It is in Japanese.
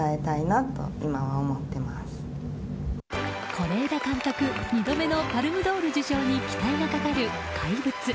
是枝監督２度目のパルム・ドール受賞に期待がかかる「怪物」。